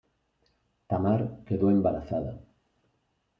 Tamar quedó embarazada.